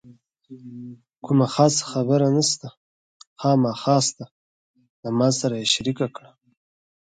کومه خاصه خبره نشته، خامخا شته له ما سره یې شریکه کړه.